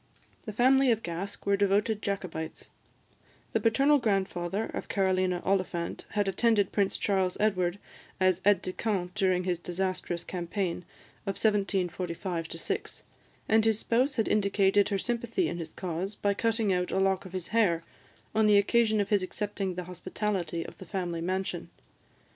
The family of Gask were devoted Jacobites; the paternal grandfather of Carolina Oliphant had attended Prince Charles Edward as aid de camp during his disastrous campaign of 1745 6, and his spouse had indicated her sympathy in his cause by cutting out a lock of his hair on the occasion of his accepting the hospitality of the family mansion.